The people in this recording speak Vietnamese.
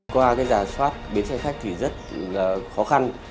qua cái giả soát bến xe khách thì rất là khó khăn